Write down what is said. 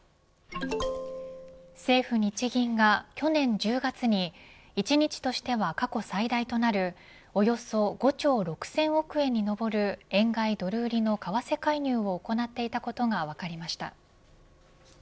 政府、日銀が去年１０月に一日としては過去最大となるおよそ５兆６０００億円に上る円買いドル売りの為替介入を行っていたことが分かりました。